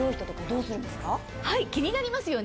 気になりますよね。